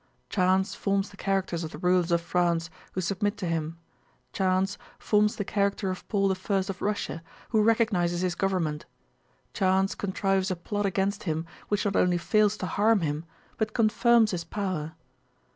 Chance forms the characters of the rulers of France, who submit to him; chance forms the character of Paul I of Russia who recognizes his government; chance contrives a plot against him which not only fails to harm him but confirms his power.